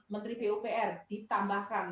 menteri pupr ditambahkan